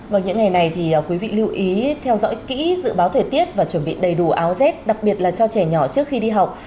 vâng những ngày này thì quý vị lưu ý theo dõi kỹ dự báo thời tiết và chuẩn bị đầy đủ áo rét đặc biệt là cho trẻ nhỏ trước khi đi học